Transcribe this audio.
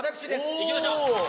いきましょう！